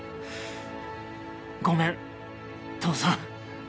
ごめん父さん。